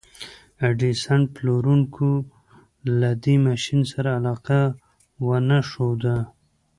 د ايډېسن پلورونکو له دې ماشين سره علاقه ونه ښوده.